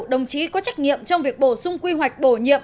đồng chí có trách nhiệm trong việc bổ sung quy hoạch bổ nhiệm